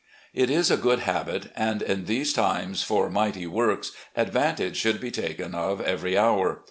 It is a good habit, and in these times for mighty works advan tage should be taken of every hour.